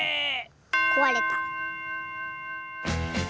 こわれた。